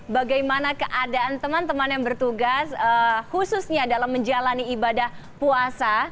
bagaimana keadaan teman teman yang bertugas khususnya dalam menjalani ibadah puasa